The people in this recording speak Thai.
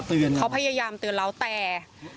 มาเตือนเราเขาพยายามเตือนเราก็ไปเห็นแบบเนี้ย